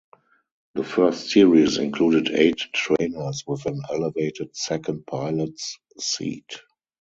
The first series included eight trainers, with an elevated second pilot's seat.